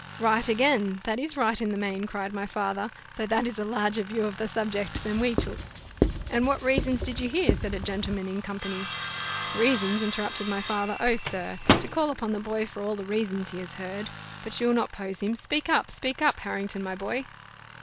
"Right again, that is right in the main," cried my father; "though that is a larger view of the subject than we took." "And what reasons did you hear?" said a gentleman in company. "Reasons!" interrupted my father: "oh! sir, to call upon the boy for all the reasons he has heard But you'll not pose him: speak up, speak up, Harrington, my boy!"